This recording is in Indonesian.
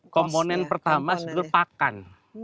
komponen pertama sebetulnya pakan